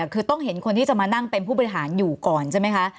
คือต้องเห็นคนที่จะมานั่งเป็นผู้บริหารอยู่ก่อนใช่ไหมคะ